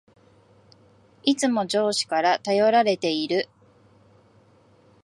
いつも上司から頼られている